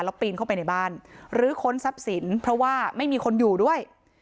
แล้วปีนเข้าไปในบ้านหรือค้นทรัพย์สินเพราะว่าไม่มีคนอยู่ด้วย